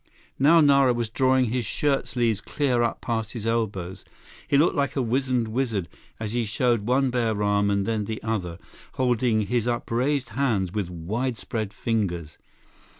Now Nara was drawing his shirt sleeves clear up past his elbows. He looked like a wizened wizard as he showed one bare arm and then the other, holding his upraised hands with widespread fingers.